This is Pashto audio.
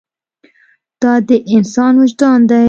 دا د انسان وجدان دی.